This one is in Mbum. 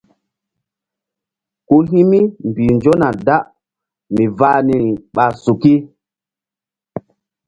Ku hi̧ mi mbih nzona da mi vah niri ɓa suki.